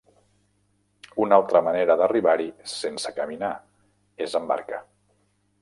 Una altra manera d'arribar-hi sense caminar és en barca.